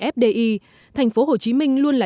fdi thành phố hồ chí minh luôn là